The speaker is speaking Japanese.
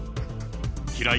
平井